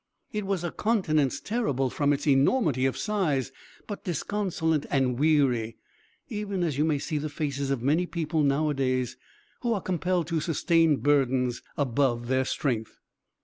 It was a countenance terrible from its enormity of size, but disconsolate and weary, even as you may see the faces of many people, nowadays, who are compelled to sustain burdens above their strength.